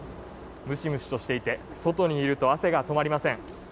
むしむしとしていて、外にいると汗が止まりません。